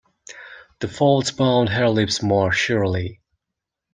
The folds bound her lips more surely.